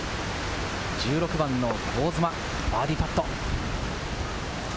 １６番の香妻、バーディーバット。